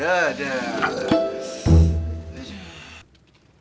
duh duh duh